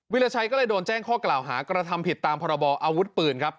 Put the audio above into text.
ราชัยก็เลยโดนแจ้งข้อกล่าวหากระทำผิดตามพรบออาวุธปืนครับ